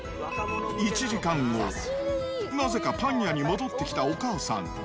１時間後、なぜか、パン屋に戻ってきたお母さん。